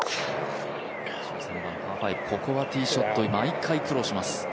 ここはティーショット、毎回苦労します。